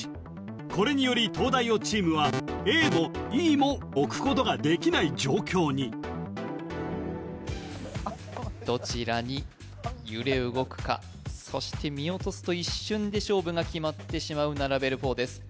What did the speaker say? これにより東大王チームはＡもＥも置くことができない状況にどちらに揺れ動くかそして見落とすと一瞬で勝負が決まってしまうナラベル４！です